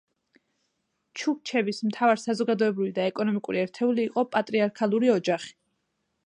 ჩუქჩების მთავარ საზოგადოებრივი და ეკონომიკური ერთეული იყო პატრიარქალური ოჯახი.